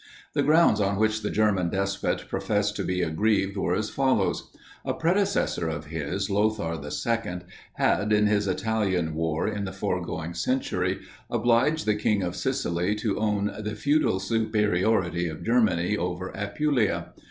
The grounds on which the German despot professed to be aggrieved were as follow: a predecessor of his, Lothair II., had in his Italian war, in the foregoing century, obliged the king of Sicily to own the feudal superiority of Germany over Apulia.